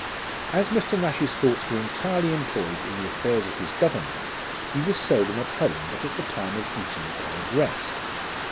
As Mr. Nash's thoughts were entirely employed in the affairs of his government, he was seldom at home but at the time of eating or of rest.